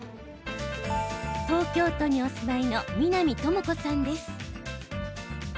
東京都にお住まいの南朋子さんです。